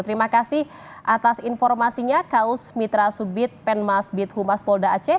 terima kasih atas informasinya kaus mitra subit pen mas bit humas polda aceh